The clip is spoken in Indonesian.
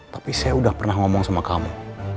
tapi saya udah pernah ngomong sama kamu